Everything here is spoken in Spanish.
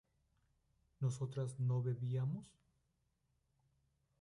¿nosotras no bebíamos?